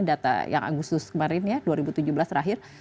data yang agustus kemarin ya dua ribu tujuh belas terakhir